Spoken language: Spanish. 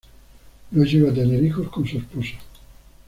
No llegó a tener hijos con su esposo.